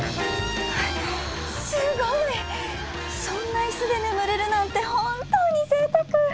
そんな椅子で眠れるなんて本当にぜいたく！